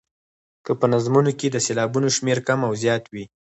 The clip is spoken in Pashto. که په نظمونو کې د سېلابونو شمېر کم او زیات وي.